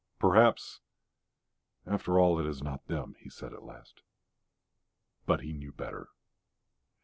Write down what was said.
"Perhaps, after all, it is not them," he said at last. But he knew better.